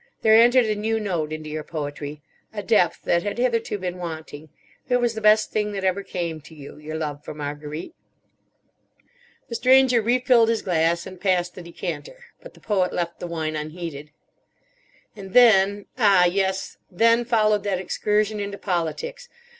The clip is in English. There entered a new note into your poetry, a depth that had hitherto been wanting. It was the best thing that ever came to you, your love for Marguerite." The Stranger refilled his glass, and passed the decanter. But the Poet left the wine unheeded. "And then, ah, yes, then followed that excursion into politics.